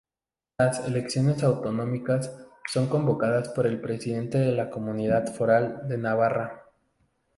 Las elecciones autonómicas son convocadas por el presidente de la Comunidad Foral de Navarra.